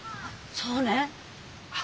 そうねえ。